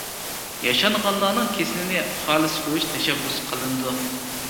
ياشانغانلارنىڭ كېسىلىنى خالىس كۆرۈش تەشەببۇس قىلىنىدۇ.